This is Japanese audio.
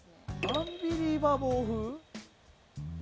「『アンビリバボー』風」。